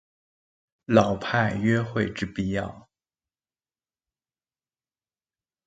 老派約會之必要